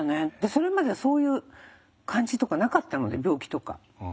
それまではそういう感じとかなかったので病気とか。